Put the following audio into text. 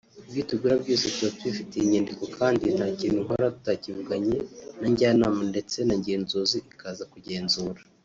Ibyo tugura byose tuba tubifitiye inyandiko kandi nta kintu nkora tutakivuganye na njyanama ndetse na ngenzuzi ikaza kugenzura